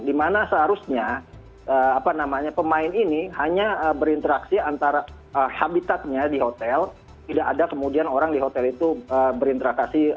dimana seharusnya pemain ini hanya berinteraksi antara habitatnya di hotel tidak ada kemudian orang di hotel itu berinteraksi